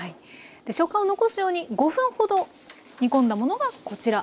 食感を残すように５分ほど煮込んだものがこちら。